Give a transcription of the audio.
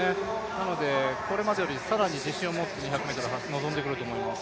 なのでこれまでより更に自信を持って２００ｍ走ってくると思います。